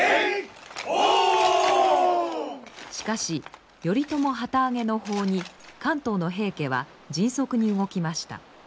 しかし頼朝旗揚げの報に関東の平家は迅速に動きました。